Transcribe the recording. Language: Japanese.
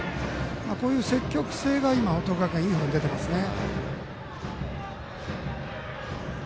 こういう積極性が今、報徳学園いいほうに出てますね。